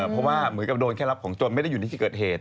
เพราะว่าเหมือนกับโดนแค่รับของจนไม่ได้อยู่ในที่เกิดเหตุ